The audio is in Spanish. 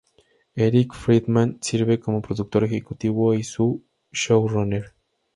Eric Friedman sirve como productor ejecutivo y su showrunner.